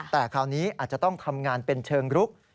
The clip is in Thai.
แต่คราวนี้อาจจะต้องทำงานเป็นเชิงรุก